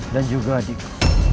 dan juga adikku